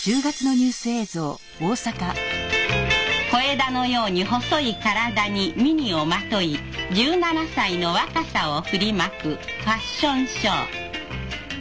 小枝のように細い体にミニをまとい１７歳の若さを振りまくファッションショー。